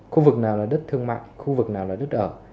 khu vực nào là đất thương mại khu vực nào là đất ở